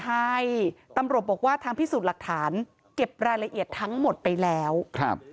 ให้ตำรวจบอกว่าทางพิสูจน์หลักฐานเก็บรายละเอียดทั้งหมดไปแล้วครับ